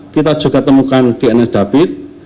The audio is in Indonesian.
kita juga temukan dna dabit